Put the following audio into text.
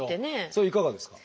それはいかがですか？